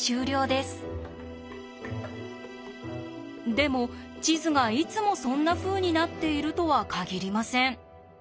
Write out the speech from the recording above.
でも地図がいつもそんなふうになっているとは限りません。